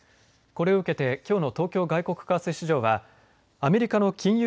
これを受けてきょうの東京外国為替市場はアメリカの金融